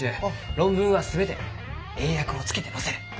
論文は全て英訳をつけて載せる。